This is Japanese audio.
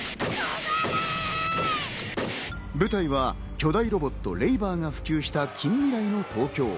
舞台は巨大ロボット・レイバーが普及した近未来の東京。